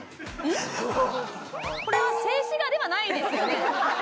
これは静止画ではないですよね？